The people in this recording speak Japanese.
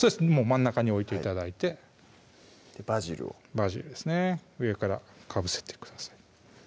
真ん中に置いて頂いてバジルをバジルですね上からかぶせてください